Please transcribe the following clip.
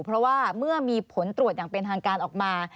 เพราะว่าเมื่อมีผลตรวจอย่างเป็นทางการออกมา